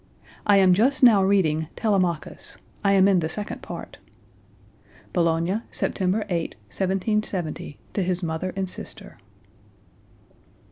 "I am just now reading 'Telemachus;' I am in the second part." (Bologna, September 8, 1770, to his mother and sister.)